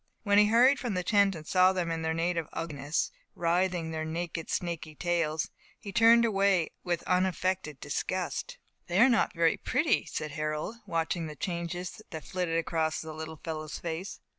When he hurried from the tent, and saw them in their native ugliness, writhing their naked, snakey tails, he turned away with unaffected disgust. "They are not very pretty," said Harold, watching the changes that flitted across the little fellow's face.